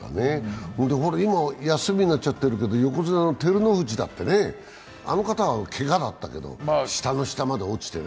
今、休みになっちゃってるけど横綱の照ノ富士だってあの方もけがだったけど下の下まで落ちてね。